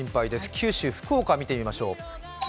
九州・福岡、見てみましょう。